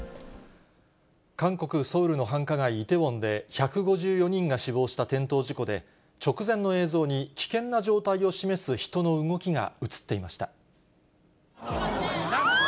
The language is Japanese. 韓国・ソウルの繁華街、イテウォンで１５４人が死亡した転倒事故で、直前の映像に危険な状態を示す人の動きが写っていました。